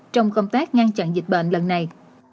trong công tác ngăn chặn dịch bệnh lần này